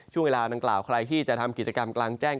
ช่วงเวลาดังกล่าวใครที่จะทำกิจกรรมกลางแจ้ง